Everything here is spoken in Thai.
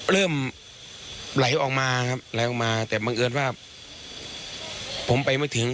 เริ่มไหลออกมาครับไหลออกมาแต่บังเอิญว่าผมไปไม่ถึง